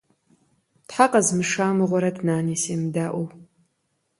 Тхьэ къэзмыша мыгъуэрэт, Нани семыдаӏуэу.